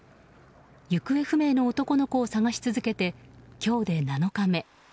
行方不明の男の子を捜し続けて今日で７日目。